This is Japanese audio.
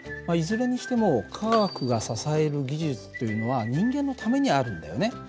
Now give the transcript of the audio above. まあいずれにしても科学が支える技術というのは人間のためにあるんだよね。